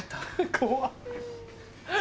怖っ。